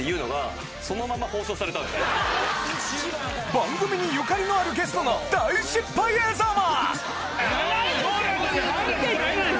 番組にゆかりのあるゲストの大失敗映像も！